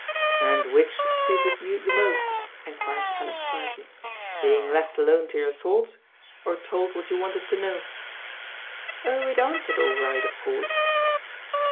"And which soothed you the most," enquired Tallis quietly, "being left alone to your thoughts, or told what you wanted to know?" "Oh, it answered all right, of course."